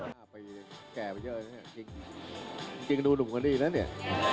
ถ้าไปแก่ไปเยอะเนี่ยจริงจริงดูหนุ่มคนนี้แล้วเนี่ย